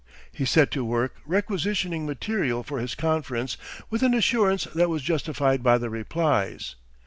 He set to work requisitioning material for his conference with an assurance that was justified by the replies.